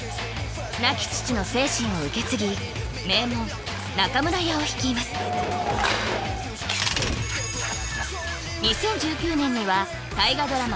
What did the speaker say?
亡き父の精神を受け継ぎ名門中村屋を率います２０１９年には大河ドラマ